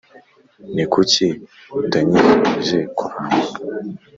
Ni kuki utanyifurije kuramba